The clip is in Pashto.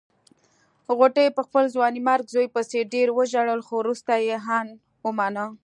غوټۍ په خپل ځوانيمرګ زوی پسې ډېر وژړل خو روسته يې ان ومانه.